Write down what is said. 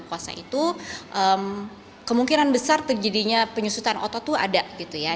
karena waktu puasa itu kemungkinan besar terjadinya penyusutan otot tuh ada gitu ya